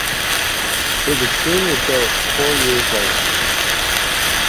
It was soon rebuilt four years later.